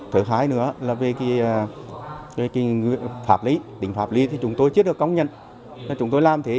thứ hai nữa là về pháp lý tính pháp lý thì chúng tôi chưa được công nhận là chúng tôi làm thế